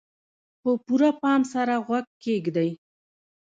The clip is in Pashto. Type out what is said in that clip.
په پوره پام سره غوږ کېږدئ.